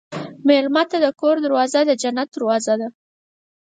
مېلمه ته د کور دروازه د جنت دروازه ده.